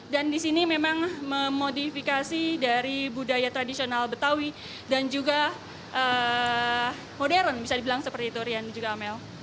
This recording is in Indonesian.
dan di sini memang memodifikasi dari budaya tradisional betawi dan juga modern bisa dibilang seperti itu rian dan juga amel